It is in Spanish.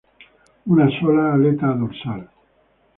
Una sola aleta dorsal.